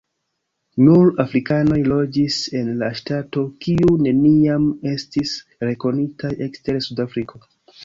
Nur afrikanoj loĝis en la ŝtato, kiu neniam estis rekonitaj ekster Sudafriko.